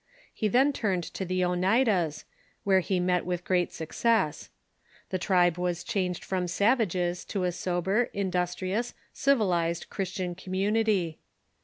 He then turned to the Oneidas, where he met with great success. The tribe Avas changed from savages to a sober, industrious, civilized, Christian com munity.